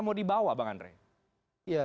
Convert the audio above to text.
mau dibawa bang andre ya